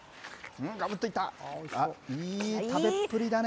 いい食べっぷりだね。